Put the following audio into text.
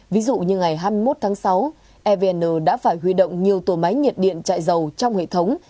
ví dụ như ngày hai mươi một tháng sáu evn đã phải huy động nhiều tổ máy nhiệt điện chạy dầu trong hệ thống